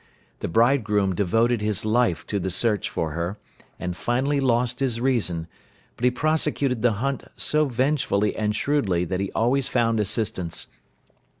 The bridegroom devoted his life to the search for her, and finally lost his reason, but he prosecuted the hunt so vengefully and shrewdly that he always found assistance.